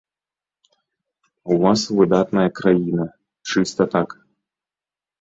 У вас выдатная краіна, чыста так.